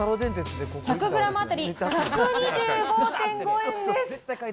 １００グラム当たり１２５．５円です。